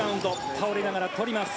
倒れながら取ります。